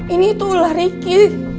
ini itu ular riki